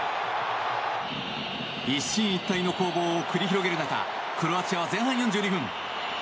一進一退の攻防を繰り広げる中クロアチアは前半４２分。